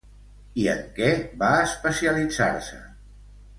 I en què va especialitzar-se?